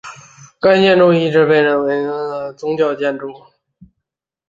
该建筑一直被认为是罗讷河口省最漂亮的宗教建筑。